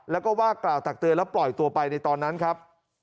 แล้วก็ว่ากล่าวตักเตือนแล้วปล่อยตัวไปในตอนนั้นครับ